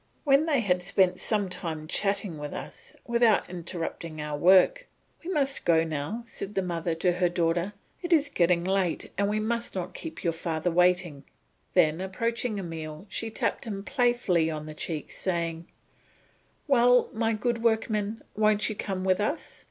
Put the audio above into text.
When they had spent some time chatting with us, but without interrupting our work, "We must be going now," said the mother to her daughter, "it is getting late and we must not keep your father waiting." Then approaching Emile she tapped him playfully on the cheek, saying, "Well, my good workman, won't you come with us?"